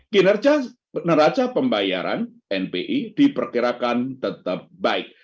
kinerja neraca pembayaran npi diperkirakan tetap baik